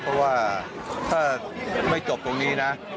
เพราะว่าถ้าไม่จบตรงนี้นะ